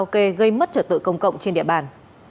khi mất trợ tự công cộng trên địa bàn